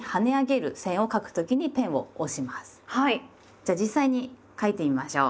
じゃあ実際に書いてみましょう。